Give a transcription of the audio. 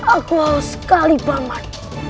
aku aus sekali baman